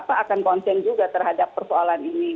apa akan konsen juga terhadap persoalan ini